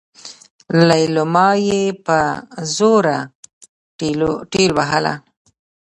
ليلما يې په زوره ټېلوهله.